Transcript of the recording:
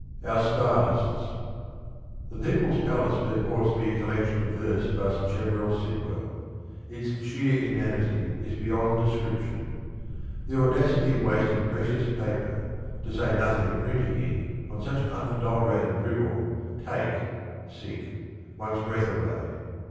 ] Our Stylists. The People's Palace purports to be a collection of verse by Sacheverell Sitwell. Its sheer inanity is beyond descrip tion. The audacity of wasting precious paper, to say nothing of printing ink, on such unadulterated drivel take one's breath away.